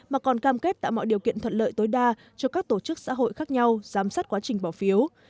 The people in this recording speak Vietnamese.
mà còn cam kết tạo mọi điều kiện thuận lợi tối đa cho các tổ chức xã hội khác nhau giám sát quá trình bỏ phiếu